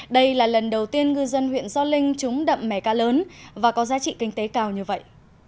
đây là lần đầu tiên ngư dân huyện gio linh trúng đậm mẻ cá lớn và có giá trị kinh tế cao như vậy